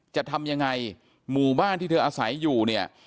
จะทำยังไงหมู่บ้านที่เธออาศัยอยู่เนี่ย